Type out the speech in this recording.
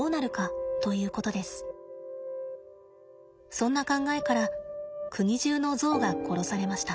そんな考えから国中のゾウが殺されました。